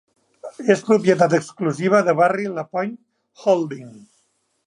És propietat exclusiva de Barry Lapointe Holding.